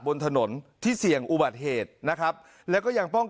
บนถนนที่เสี่ยงอุบัติเหตุนะครับแล้วก็ยังป้อง